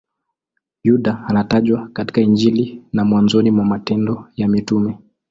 Yuda anatajwa katika Injili na mwanzoni mwa Matendo ya Mitume.